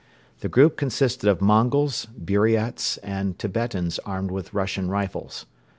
The group consisted of Mongols, Buriats and Tibetans armed with Russian rifles.